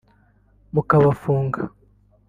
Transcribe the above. mukabafunga